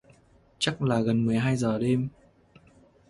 chắc là gần mười hai giờ đêm